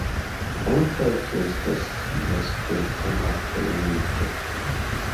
Ankaŭ tio estas iaspeca malfermiĝo.